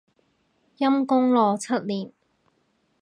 陰功咯，七年